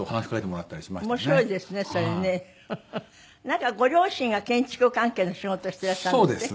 なんかご両親が建築関係の仕事してらっしゃるんですって？